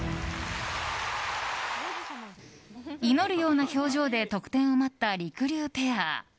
祈るような表情で得点を待ったりくりゅうペア。